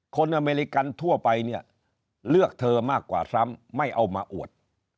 อเมริกันทั่วไปเนี่ยเลือกเธอมากกว่าซ้ำไม่เอามาอวด